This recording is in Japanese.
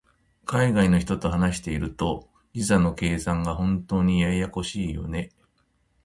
海外の人と話していると、時差の計算が本当にややこしいよね。